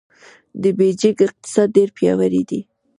د بېجینګ اقتصاد ډېر پیاوړی دی.